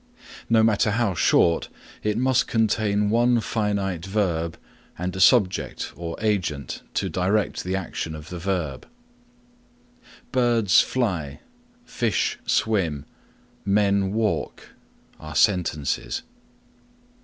No matter how short, it must contain one finite verb and a subject or agent to direct the action of the verb. "Birds fly;" "Fish swim;" "Men walk;" are sentences.